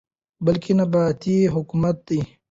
بلكې نيابتي حكومت دى ،